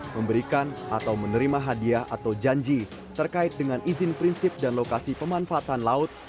memberikan atau menerima hadiah atau janji terkait dengan izin prinsip dan lokasi pemanfaatan laut